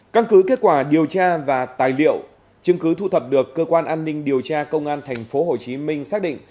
căn cứ kết quả điều tra và tài liệu chứng cứ thu thập được cơ quan an ninh điều tra công an tp hcm xác định